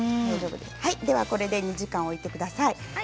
これで２時間、置いてください。